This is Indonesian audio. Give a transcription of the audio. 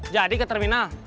jadi ke terminal